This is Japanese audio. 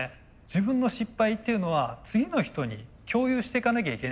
自分の失敗っていうのは次の人に共有していかなきゃいけないんですよね。